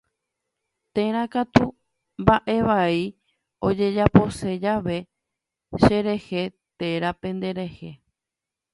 Térã katu mba'evai ojejapose jave cherehe térã penderehe.